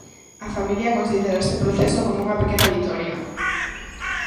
A familia considera este proceso como unha pequena vitoria.